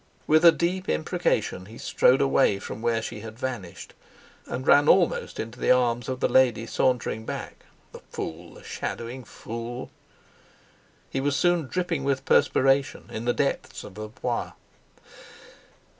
With a deep imprecation he strode away from where she had vanished, and ran almost into the arms of the lady sauntering back—the fool, the shadowing fool! He was soon dripping with perspiration, in the depths of the Bois.